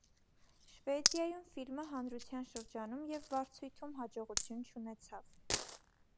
Շվեդիայում ֆիլմը հանրության շրջանում և վարձույթում հաջողություն չունեցավ։